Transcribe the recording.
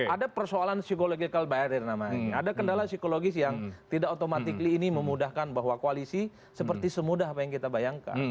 ada persoalan psikologi yang tidak otomatis memudahkan bahwa koalisi seperti semudah apa yang kita bayangkan